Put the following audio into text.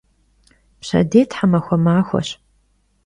Pşedêy themaxue maxueş.